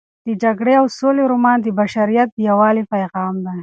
د جګړې او سولې رومان د بشریت د یووالي پیغام دی.